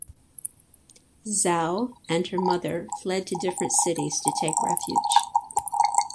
Zhao and her mother fled to different cities to take refuge.